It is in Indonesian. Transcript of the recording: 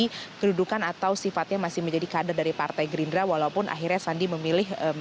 jadi kedudukan atau sifatnya masih menjadi kandar dari partai gerindra walaupun akhirnya sandi memilih